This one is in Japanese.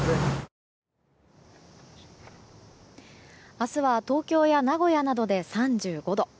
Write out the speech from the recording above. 明日は東京や名古屋などで３５度。